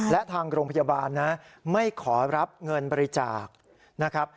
และทางโรงพยาบาลนะไม่ขอรับเงินบริจาคนะครับ